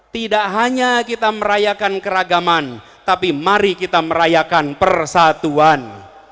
tidak hanya kita merayakan keragaman tapi mari kita merayakan persatuan